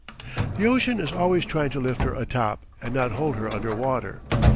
The ocean is always trying to lift her atop and not hold her under water.